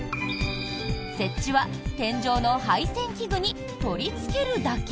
設置は、天井の配線器具に取りつけるだけ。